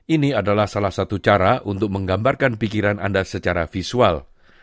ini adalah salah satu cara untuk menggambarkan pikiran anda secara visual